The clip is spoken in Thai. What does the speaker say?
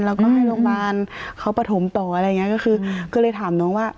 แล้วก็ให้โรงพยาบาลเขาประถมต่ออะไรอย่างเงี้ยก็คือก็เลยถามน้องว่า